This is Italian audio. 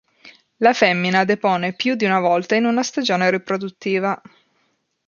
La femmina depone più di una volta in una stagione riproduttiva.